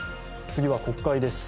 次は国会です。